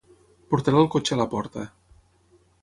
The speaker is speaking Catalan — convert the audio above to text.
Portaré el cotxe a la porta.